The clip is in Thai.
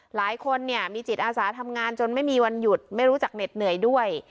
หลายคนเนี่ยมีจิตอาสาทำงานจนไม่มีวันหยุดไม่รู้จักเหน็ดเหนื่อยด้วย